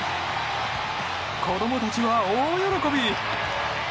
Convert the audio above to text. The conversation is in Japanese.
子供たちは大喜び！